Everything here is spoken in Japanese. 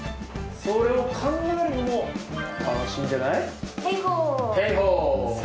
それを考えるのも楽しんんじゃなへいほー。